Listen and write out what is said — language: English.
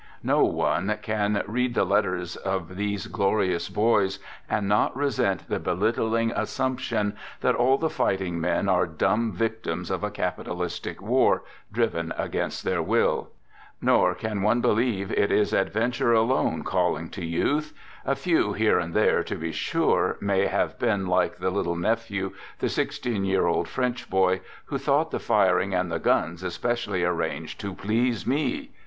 No one can read the letters of these glorious boys and not resent the belittling assumption that all the fighting men are dumb victims of a " capitalistic " war, driven against their will. Nor can one believe Digitized by INTRODUCTION ix it is adventure alone calling to youth. A few, here and there, to be sure, may have been like the " little nephew," the sixteen year old French boy, who thought the firing and the guns especially arranged to " please me